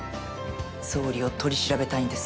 総理を取り調べたいんです。